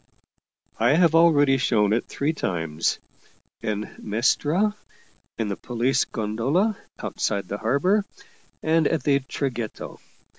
" I have already shown it three times in Mestra, in the police gondola outside the harbor, and at the Traghetto.